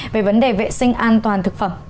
về vấn đề vệ sinh an toàn thực phẩm